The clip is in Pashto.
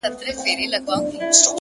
هره ورځ د نوي جوړېدو فرصت دی!